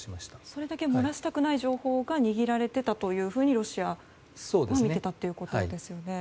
それだけ漏らしたくない情報が握られているとロシアも見ていたということですね。